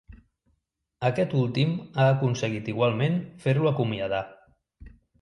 Aquest últim ha aconseguit igualment fer-lo acomiadar.